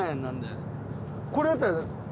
これだったら？